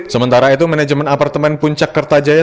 sementara itu manajemen apartemen puncak kertajaya